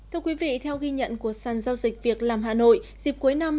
thưa quý vị theo ghi nhận của sàn giao dịch việc làm hà nội dịp cuối năm